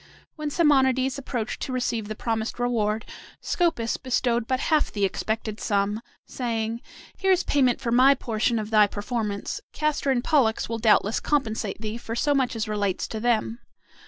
When Simonides approached to receive the promised reward Scopas bestowed but half the expected sum, saying, "Here is payment for my portion of thy performance; Castor and Pollux will doubtless compensate thee for so much as relates to them."